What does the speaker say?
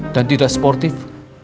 dan tidak sportif